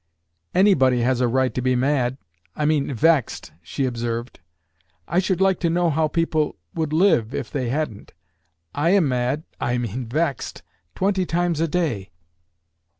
"Anybody has a right to be mad I mean vexed," she observed. "I should like to know how people would live if they hadn't. I am mad I mean vexed twenty times a day."